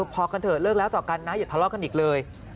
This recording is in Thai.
พอกันเถอะเลิกแล้วต่อกันนะอย่าทะเลาะกันอีกเลย